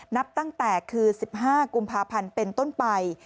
นับตั้งแต่คือ๑๕กุมภาพันธ์เป็นต้นไป